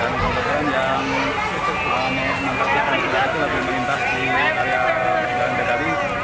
dan kemudian yang itu kemudiannya nampaknya lebih minta di daerah daerah